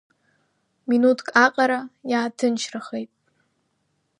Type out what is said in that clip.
Минуҭк аҟара иааҭынчрахеит.